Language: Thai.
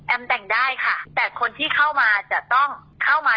แต่งได้ค่ะแต่คนที่เข้ามาจะต้องเข้ามา